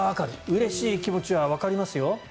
うれしい気持ちはわかりますよ。